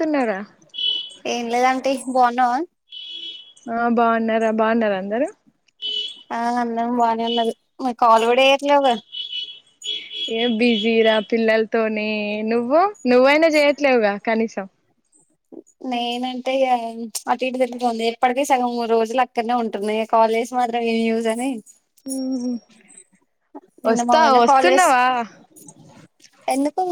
తున్నారా ఏం లేదాంటి బాగున్నవ ఆహ్ బాగున్నారా బాగున్నారా అందరు. ఆ బానే ఉన్నారు నువ్వు కాల్ కుడా చేయట్లేవు కదా. ఏం బిజీరా పిల్లలతోని నువ్వు నువ్వైనా చేయట్లేవుగా కనీసం. నేనంటే ఇగ ప్చ్ అటు ఇటు తిరుగుతోంది ఎప్పటికి సగం మూడు రోజులు అక్కడనే ఉంటున్నయి కాలేజ్ మాత్రం. ఎమ్ యుజాని. ఉమ్మ్ నిన్న మా వస్తా వదిన కాల్ చేసి వస్తున్నావా. ఎందుకు.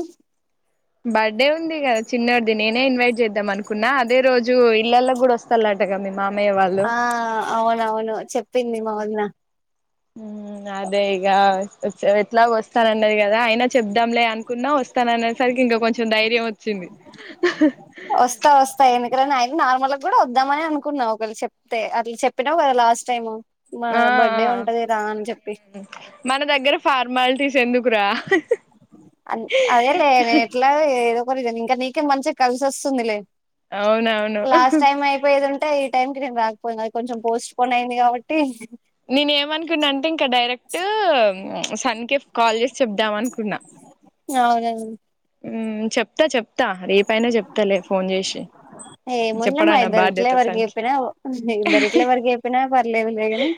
బర్త్డే ఉంది కదా చిన్నోడిది నేనే ఇన్వైట్ చేద్దాం అనుకున్నా అదే రోజు ఇళ్లల్లోకి కూడా వస్తాలటగా. మీ మామయ్య వాళ్ళు. ఆ అవునవును చెప్పింది మా వదిన. ఉమ్ అదే ఈగా ఎట్లా పెట్టు. ఎట్లాగొ వస్తానన్నది కదా అయినా చెప్దాంలే అనుకున్నా వస్త. తన అనే సరికి ఇంకా కొంచెం ధైర్యం వచ్చింది. వస్త వస్త ఎందుకురాను ఆయిన నార్మల్గా కూడా వద్దామని అనుకున్నా ఒకవేళ చెప్తే అట్ల చెప్పినవు కదా. Last time. మా ఆహ్ బర్త్డే ఆహ్ ఉంటది రా అని చెప్పి మన దగ్గర ఫా. పర్మలిటీస్ ఎందుకురా. అదేలే నేను ఎట్లాగొ ఏదో ఒకరినీ ఇంకా నీకే మంచిగా కలిసోస్తుందిలే. లాస్ట్ అవునవును టైమ్ అయిపోయేదుంటే. టైం కి నేను రాకపోయిన అది కొంచెం పోస్ట్ పోనైయింది కాబట్టి. నేను ఏమనుకున్న అంటే ఇంకా డైరెక్ట్ సన్కెఫ్. కాల్ చేసి చెప్దాం అనుకున్నా. అవునండి. ఉమ్ చెప్తా చెప్తా రేపైనా చెప్తలే ఫోన్ చేసి. ఏముందిలే చెప్పడం మా నా ఇద్దరిట్ల బాధ్యత ఎవరికి సన్కి చెప్పిన ఇద్దరిట్ల ఎవరికి చెప్పిన పర్లేదు లేగని.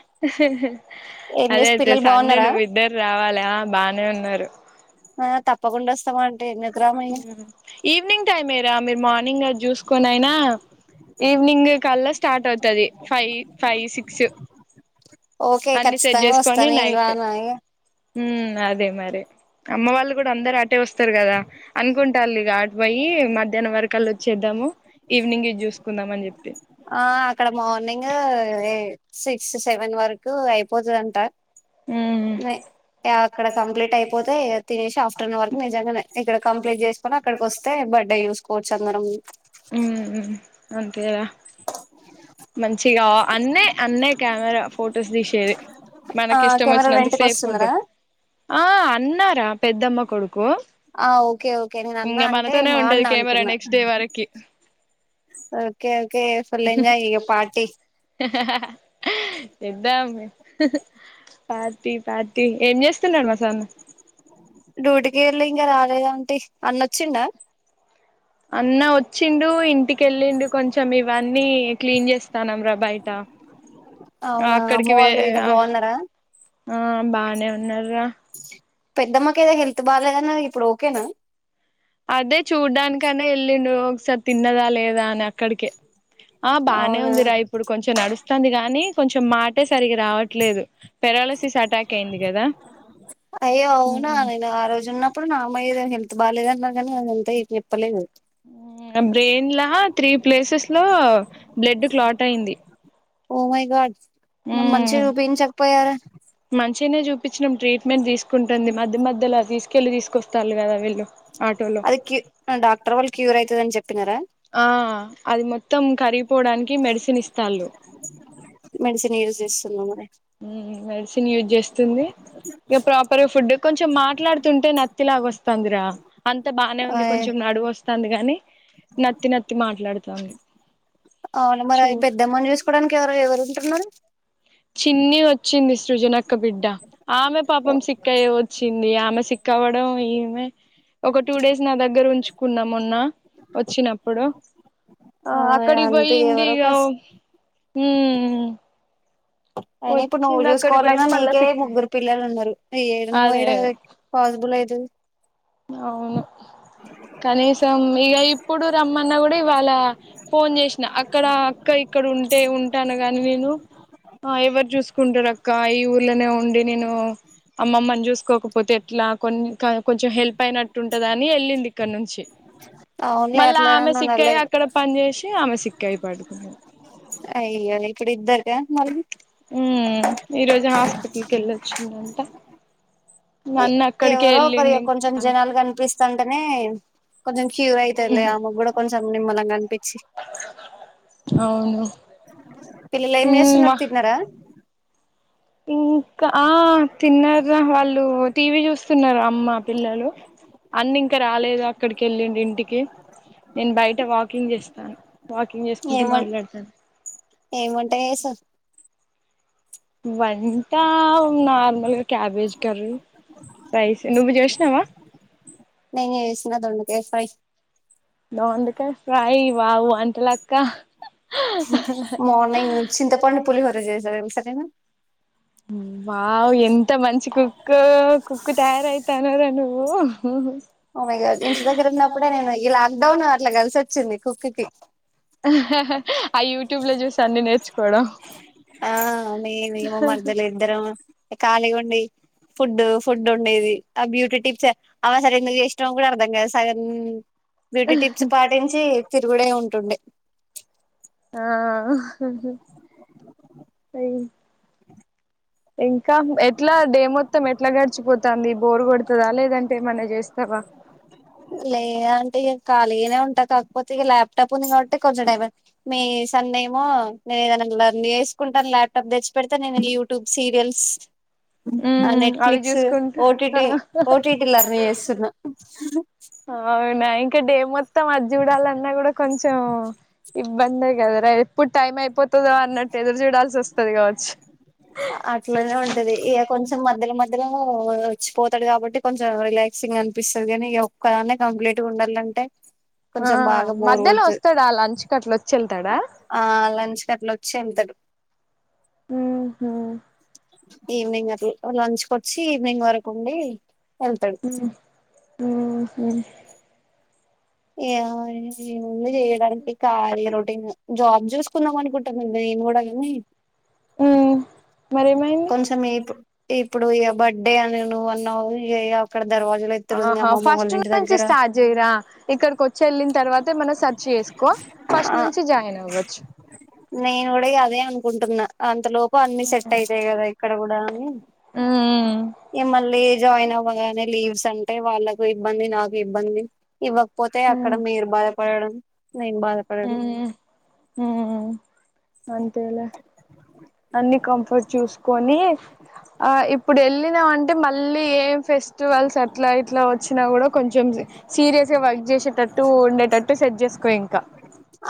అదే అయితే సన్ను నువ్వు ఇద్దరు రావాలి బానే ఉన్నారు. ఆహ్ తప్పకుండా వస్తాము అంటే ఎందుకు రాము ఇగ. ఈవినింగ్ టైమేరా మీరు మార్నింగ్ గది చూసుకోనైనా. ఈవినింగ్ కల్లా స్టార్ట్ అవుతది ఫైవ్ ఫైవ్ సిక్స్. ఓకే అన్ని సెట్ ఖచ్చితంగా వస్తా చేసుకొని నేను నైట్ రానా ఇగ ఉమ్ అదే మరి. అమ్మ వాళ్ళు కూడా అందరు ఆటే వస్తారు కదా అనుకుంటారులే ఇగ. పోయి మధ్యాహ్నం వరకల్లా వచ్చేద్దాము ఈవినింగ్ ఇది చూసుకుందాం అని చెప్పి. ఆహ్ అక్కడ మార్నింగ్ సిక్స్ సెవెన్ వరకు అయిపోతదంట. ఉమ్ నే అక్కడ కంప్లీట్ అయిపోతే ఇగ తినేసి ఆఫ్టర్నూన్ వరకు నిజంగానే. ఇక్కడ కంప్లీట్ చేసుకొని అక్కడికొస్తే బడ్డే చూసుకోవచ్చు అందరం. ఉమ్ అంతే గా. మంచిగా అన్నే అన్నే కెమెరా ఫొటోస్ తీసేది. ఆ మనకి ఇష్టం కెమెరా వచ్చినంత రెంట్ కి సేపు వస్తున్నారా ఉంటాడు ఆహ్ అన్నరా పెద్దమ్మ కొడుకు. ఆహ్ ఓకే ఓకే నేను అన్న ఇంగ అంటే మనతోనే మా ఉంటది అన్న కెమెరా అనుకున్నా. నెక్స్ట్ డే వరకి ఓకే ఓకే ఫుల్ ఎంజాయ్ ఇగ పార్టీ ఇద్దమ్ పార్టీ పార్టీ ఏం చేస్తున్నడు మా సన్న డ్యూటీ కేళ్ళి ఇంకా రాలేదంటి అన్నొచ్చిండ అన్న ఒ వచ్చిండు ఇంటికెళ్ళిండు కొంచెం ఇవన్నీ క్లీన్ చేస్తానంరా బయట. ఆహ్ అవునా అమ్మ అక్కడికి వే వాళ్ళు ఈయన ఆహ్ బాగున్నారా బానే ఉన్నారు రా. పెద్దమ్మకి ఏదో హెల్త్ బాగాలేదన్నరు ఇప్పుడు ఓకేనా. అదే చూడ్డానికన్నే వెళ్ళిండు ఒకసారి తిన్నదా లేదా అని అక్కడికే. ఆహ్ బానే అవునా ఉందిరా ఇప్పుడు కొంచెం నడుస్తుంది గాని. కొంచెం మాటే సరికి రావట్లేదు పెరాలిసిస్ అటాక్ అయింది కదా అయ్యో అవునా నేను ఆ రోజు ఉన్నప్పుడు నార్మల్ గా ఎదో హల్ ల్త్ బాలేదన్నారు కానీ అది అంతా చెప్పలేదు బ్రెయిన్ లా త్రీ ప్లేసెస్ లో బ్లడ్ క్లాట్ అయింది ఒ మై గాడ్ మరి మంచిగా చూపించకపోయారా మంచిగానే చూపించినాం ట్రీట్మెంట్ తీసుకుంటుంది మధ్య మధ్యలోలా తీసుకెళ్లి తీసుకొస్తాళ్ళు కదా వీళ్ళు ఆటోలో అది క్యూ డాక్టర్ వాళ్ళు క్యూర్ అయితదని చెప్ ఆ అది మొత్తం కరి పోడానికి మెడిసిన్ ఇస్తాళ్ళు మెడిసిన్ యూజ్ చేస్తున్నా మరి మ్ మెడిసిన్ యూజ్ చేస్తుంది ఇగ ప్రాపర్ గా ఫుడ్ కొంచెం మాట్లాడుతుంటే నత్తిలాగోస్తుందిరా అంత బాగానే ఉంది అయ్ కొంచెం నడువోస్ స్థాంది కని నత్తి నత్తి మాట్లాడుతంది అవున మరి అది పెద్దమ్మని చూసుకోవడానికి ఎవరు ఎవరు ఉంటున్నారు చిన్ని ఒ చ్చింది సృజనక్క బిడ్డ ఆమె పాపం సిక్కయ్యే వచ్చింది ఆమె సిక్కవ్వడం ఈమె ఒక టూ డేస్ నా దగ్గర ఉంచుకున్నా మొన్న వచ్చినప్పుడు ఆ అక్కడి అంతే పోయింది ఎవరో ఇగ కస్ హుమ్ అయినా ఇప్పుడు నువ్వు చూసుకోవాలన్నా మళ్ళా నీకే సిక్ అయింది ముగ్గురు పిల్లలున్నారు ఏడ అదే నువ్వేడ అదే పాసిబుల్ ఐతది అవును కనీసం ఇగ ఇప్పుడు రమ్మన్న కూడా ఇవాళ ఫోన్ చేసిన అక్కడ అక్క ఇక్కడ ఉంటే ఉంటాన గాని నిను ఎవరు చూస్ కుంటారక్క ఈ ఊర్లనే ఉండి నేను అమ్మమ్మన్ చూసుకోకపోతే ఎట్లా కొన్ కొంచెం హెల్ప్ అయినట్టు ఉంటదని ఎళ్ళింది ఇక్కడి నుంచి అవునులే మళ్ళా ఆమె అట్లాని ఉండాలి సిక్కాయి అక్కడ పని చేేసి ఆమె సిక్కాయి పడుటుకున్నాది అయ్యే ఇప్పుడు ఇద్దరికా మళ్ళి హుమ్ ఈరోజు హాస్పిటల్ కేళ్ళొచ్చిందంట ఎవరో ఒకరిగ కొంచెం జనాలు కనిపిస్తంటేనే కొంచెం క్యూ అయితలే ఆమే కూడా కొంచం నిమ్మలంగని పి చి అవును పిల్లలు ఏం చేస్తున్నారు మా తిన్నారా ఇంకా ఆ తిన్నార్ర వాళ్ళు టీవీ చూస్ స్తున్నారు అమ్మ పిల్లలు అన్న ఇంకా రాలేదు అక్కడికేళ్ళిండు ఇంటికి నేను బయట వాకింగ్ చేస్తాన వాకింగ్ చేసుకుంటు మాట్లాడుతాన ఎం వంటా చేసావ్ వంట నార్మల్గా క్యాబేజ్ కర్రీ రైస్ నువ్వు చేసినవా నేను చేసిన దొండ కాయ ఫ్ దొండకాయ్ ఫ్రేయ్ వావ్ వంటలక్క మార్కింగ్ చింతపండు పులిహోర చేసిన తెలస నికు వావ్ ఎంత మంచి కుక్కో కుక్ తయారైతానవ్ గా నువ్వు మ్ హు ఒ మై గాడ్ ఇంటి దగ్గర ఉన్నప్పుడే నేను ఈ లాక్డౌన్లో అట్లా కలిసోచ్చింది కుక్కిి ఆ యూట్యూబ్ ల చూసి అన్ని నేర్చుకోవడం ఆ కళిగుండి ఫుడ్ ఫుడ్ ఉండేది ఆ బ్యూటీ టిప్స్ అవ్వసలేందుకు చేశినమొ కూడా అర్థం కద్ సగం బ్యూటీ టిప్స్ పాటించి తిరుగుడే ఉంటుండే ఆ అ ఇంకా ఎట్లా డే మొత్తం ఎట్లా గడిచిపోతంది బోరు కొడుతదా లేదంటే ఏమన్నా చేస్తావా లేద ఆంటీ ఇగ ఖాళీగానే ఉంటా కాకపోతే ఇగ ల్యాప్టాప్ ఉంది కాబట్టి కొంచెం టైం మే సన్నేమో నేను ఏదైన లర్న్ వేసుకుంటాను ల్యాప్టాప్ తెచ్చి పేడితే నేను యూట్యూబ్ సీరియల్స్ ఆ ఉమ్ అవి నెట్ఫ్లిక్స్ చూసుకుంటూ ఓటిటి ఓటిటి లర్న్ చేస్తున్నా అవునా ఇంక డే మొత్తం అది చూడాలన్నా గూడా కొంచెం ఇబ్బందే గదారా ఎప్పుడు టైం అయిపోతుందో అన్నట్టు ఎదురు చూడాల్సి వస్తది గావచ్చు మధ్యల మధ్యల వచ్చిపోతాడు కాబట్టి కొంచెం రిలాక్సింగ్ అనిపిస్తది గానీ ఇగ ఒక్కదానే కంప్లె ట్ గా ఉండాలంటే ఆ కొంచెం బాగా బోర్ మధ్యలో కొడుతది వస్తాడా అ లంచ్కట్ల వచ్చి వెళ్తాడా ఆ లంచ్ కట్లా వచ్చి వెళ్తడు మ్ హు ఈవినింగ్ అట్ల లంచ్కొచ్చి ఈవినింగ్ వరకు ఉండి వెళ్తాడు మ్ మ్ హు ఇగ ఏముంది చేయడానికి ఈ కాళీగా రో జాబ్ చూసుకుందాం అనుకుంటున్న నేను గూడా కానీ మ్ కొంచెం ఇప్ ఇప్పుడు ఇగా బర్త్డే అని నువ్ అన్నావ్ ఇగ ఇగ అక్కడ దర్వాజులు ఎత్తుడు ఉంది ఆహా అమ్మమ్మ వాళ్ళ ఫస్ట్ ఇంటి నుంచి దగ్గర స్టార్ట్ జేయిరా ఇక్కడికోచ్చి వెళ్లిన తర్వాత ఏమన్నా సర్చ్ చేస్ సుకో ఫస్ట్ ఆ నుంచి జాయిన్ అవ్వచ్చు నేను గూడా ఇగ అదే అనుకుంటున్నా అంతలోపు అన్ని సెట్ అయి అంతే గదా ఇక్కడ గూడా అని ఉమ్ ఇగ మళ్ళీ జాయిన్ అవ్ వ్వగానే లీవ్స్ అంటే వాళ్లాకు ఇబ్బంది నాకు ఇబ్బంది ఇవ్వకపోతే అక్కడ మీరు భాధ పడడం భాద పడుడు హుమ్ అంతేలే అన్నీ కంఫర్ట్ చూసుకొని ఆ ఇప్పుడేళ్ళినమంటే మళ్ళీ ఏం ఫెస్టివల్స్ అట్లా ఇట్లా వచ్చినా గూడా కొంచెం సీరియస్ గా వర్క్ జేసేటట్టు ఉండేటట్టు సెట్ చేసుకో ఇంకా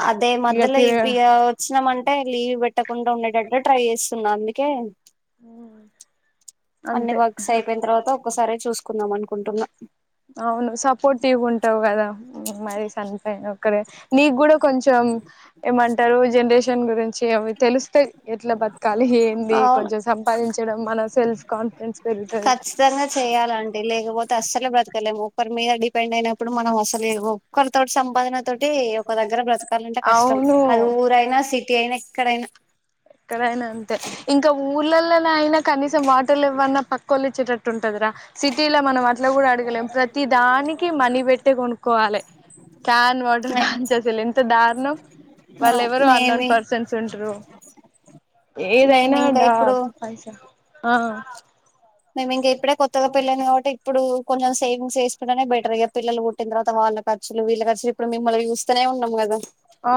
అదే ఇక మధ్యలో తిరగ ఇవిగా వచ్చినామంటే లీవ్ పెట్టకుండా ఉండేటట్టు ట్రై చేస్తున్న అందుకే అన్ని అంతే వర్క్స్ అయిపోయిన తర్వాత ఒక్కసారే చూసుకుందాం అనుకుంటున్న అవును సపోర్టివ్ ఉంటావ్ గదా మరి సన్ అయినోక్కడే నీ గూడా కొంచెం హు ఏమంటారు జనరేషన్ గురించి అవి తెలిస్తే ఎట్లా బతకాలి ఏంది అవును కొంచెం సంపాదించడం మన సెల్ఫ్ కాన్ఫిడెన్స్ పెరుగుతది ఖచ్చితంగా చెయ్యాలంటి లేకపోత్ అస్సలే బ్రతకలేము ఒక్కరి మీద డిపెండ్ అయినప్పుడు మనం అసలేవొక్కల తోటి సంపాదన తోటి ఒక దగ్గర బ్రత్ కలంటే కష్టం అవును అది ఊరైనా సిటీ అయినా ఎక్కడైనా ఎక్కడైనా అంతే ఇంకా ఊర్లాల్లానైన కనీసం వాటర్ లెవ్వన్నా పక్కోలు ఇచ్చే టట్ టుంటదిర సిటీలో మనం అట్లా గూడా అడుగలేం ప్రతి దానికి మనీ పెట్టే కోనుక్కోవాలే క్యాన్ వాటర్ కాంచి అసలు ఎంత దారుణం వాళ్లేవరో అన్నోన్ మేమి పర్సన్స్ ఉంట్రు మేము ఏదైనా ఇంకా దా ఇప్పుడు పైసా ఆ మేము ఇంక ఇప్పుడే కొత్తగా పెళ్ళైంది కాబట్టి ఇప్పుడు కొంచెం సేవింగ్స్ వేసుకునే బెటర్ ఇగ పిల్లలు పుట్టిన తర్వాత వా ల్లా ఖర్చులు వీళ్ళ ఖర్చులు ఇప్పుడు మిమ్మల్ని జూస్తనే ఉన్నాం గాద ఆ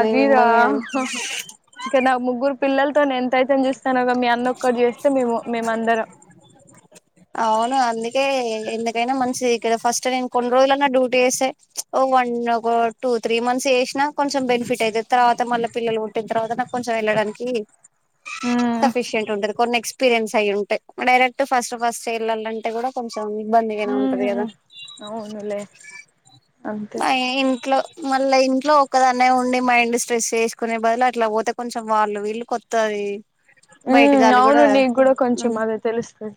అదీరా ఆ ఇంక నా ముగ్గురు పిల్లల్తోనే చూస్తానవ్ గా మీ అన్న ఒక్కడు జేస్తే మేము మేమందరం అవును అందుకే ఎందుకైనా మంచిది కెద ఫస్ట్ నేను కొన్ని రోజులన్నా డ్యూటీ జేస్తే ప్చ్ ఓ వన్ ఒక టూ త్రీ మంత్స్ జేసిన కొంచెం బెన్ ఫిటైయితది తర్వాత మళ్ళ పిల్లలు పుట్టిన తర్వాత నాకు కొంచెం ఏళ్ళడానికి ఉమ్ సఫిషంట్ ఉంటది కొన్ ఎక్స్పీరియన్స్ అయి ఉంటయి డైరెక్ట్ ఫస్ట్ ఫస్ట్ సెళ్లాలుంటే గూడా కోం చం ఇబ్బంది గానే ఉంటది ఉమ్ గదా అవునులే అంతే మా ఇంట్లో మళ్ళా ఇంట్లో ఒక్కదాన్నే ఉండి మైండ్ స్ట్రెస్ జేస్కునే బదులు అట్లా వోతే కొంచెం వాళ్ళు వీళ్ళు కొత్ తది మ్మ్ అవును నీగూడా కొంచెం అదే తెలుస్తది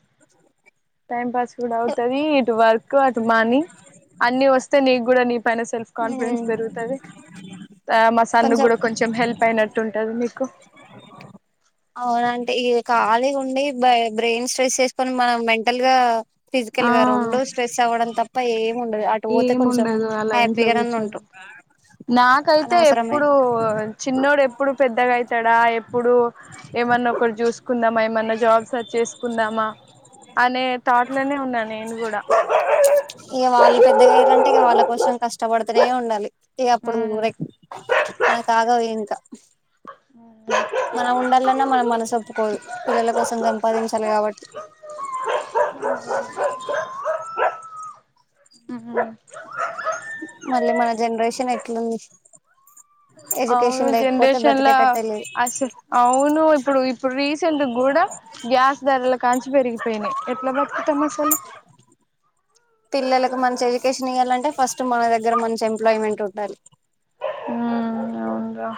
టైం పాస్ కూడావుతది ఇటు వర్క్ అటు మనీ అన్ని ఓస్తే నీ గూడా నీ పైన సెల్ఫ్ కాన్ఫిడెన్స్ బేరుగుతది అ మా సన్ను గూడా కొంచెం హెల్ప్ అయినట్టు ఉంటంది మీ అవునంటే ఇ ఖాళీ ఉండి బై బ్రెయిన్ స్ట్రెస్ చేస్కోని మనం మెంటల్ గా ఆ ఫిజికల్గా రెండు స్ట్రెస్ అవ్వడం తప్ప ఏం ఉండదు అటు వోతే కొంచెం ఏముండదు అలా ఇంట్లో హ్యాపీగాన్న కూర్చొని ఉంటం నాకైతే అనోస్రమైన ఎప్పుడు చిన్నోడు ఎప్పుడు పెద్దగయితా డా ఎప్పుడు ఏమన్నొక్కటి జుస్కుందామా ఏమన్నా జాబ్ సెర్చ్ ఏస్కుందామా అనే తాట్లోనే ఉన్నా నేను గూడ పెద్దగాయిరంటే ఇగ వాళ్ళ కోసం కష్టవడుతానే ఉండాలి ఈగ అప్పుడు ఉమ్ లైక్ మనకగాదు ఇంకా మనం ఉండాలన్నా మన మనసోప్పుకోదు పిల్లల కోసం సంపాదించాలి గాబట్టి ఆహా మళ్ళీ మన జెనరేషన్ ఎట్లుంది అవును ఎడ్యుకేషన్ లేకపోతే జనరేషన్లా బ్రతికేటట్టే లేదు అస్సల్ అవును ఇప్పుడు ఇప్పుడు రీసెంట్ గూడా గ్యాస్ ధరలక్ కాల్చి బేరిగిపోయి ఎట్లా బత్కుతము అసలు పిల్లలకు మంచి ఎడ్యుకేషన్ ఇయాలంటే ఫస్ట్ మన దగ్గర మంచి ఎంప్లాయ్మెంట్ ఉండాలి మ్మ్ అవుండ్రా